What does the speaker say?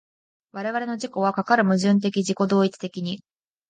我々の自己はかかる矛盾的自己同一的に